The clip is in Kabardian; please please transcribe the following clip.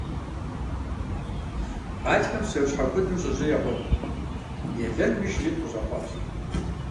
Гъатхэм псэущхьэ куэдым щӀэжьей ягъуэт, елэнми шыритӀ къыщӀэхъуащ.